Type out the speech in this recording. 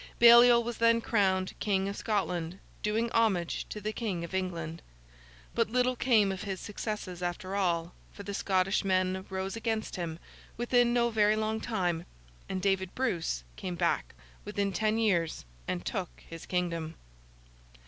Baliol was then crowned King of Scotland, doing homage to the King of England; but little came of his successes after all, for the Scottish men rose against him, within no very long time, and David Bruce came back within ten years and took his kingdom.